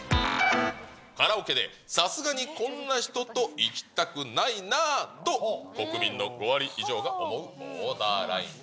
カラオケでさすがにこんな人と行きたくないなぁと、国民の５割以上が思うボーダーラインは？